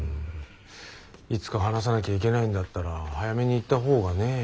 いつか話さなきゃいけないんだったら早めに言ったほうがねえ。